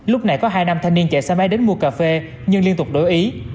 lúc này có hai nam thanh niên chạy xe máy đến mua cà phê nhưng liên tục đổi ý